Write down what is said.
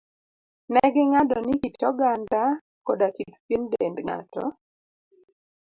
Ne ging'ado ni kit oganda koda kit pien dend ng'ato,